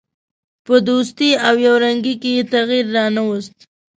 په دوستي او یو رنګي کې یې تغییر را نه ووست.